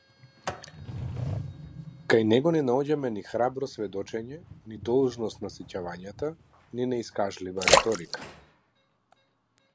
Кај него не наоѓаме ни храбро сведочење, ни должност на сеќавањата, ни неискажлива реторика.